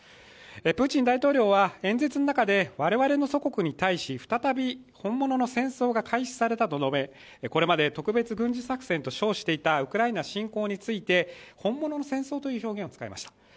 プーチン大統領は演説の中で我々の祖国に対し再び本物の戦争が開始されたと述べこれまで特別軍事作戦と称していたウクライナ侵攻について本物の戦争という表現を使いました。